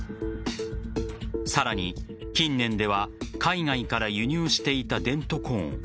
さらに近年では海外から輸入していたデントコーン。